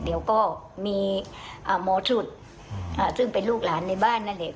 เดี๋ยวก็มีหมอฉุดซึ่งเป็นลูกหลานในบ้านนั่นแหละ